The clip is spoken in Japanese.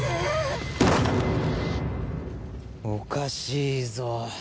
おかしいぞ。